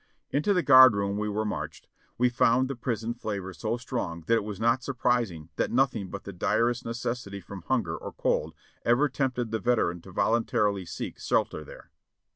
Into the guard room we were marched. We found the prison flavor so strong that it was not surprising that nothing but the direst necessity from hunger or cold ever tempted the veteran to voluntarily seek shelter there.